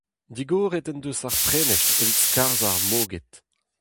Digoret en deus ar prenestr evit skarzhañ ar moged.